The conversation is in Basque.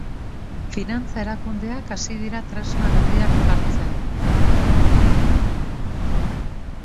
Finantza erakundeak hasi dira tresna berriak jartzen.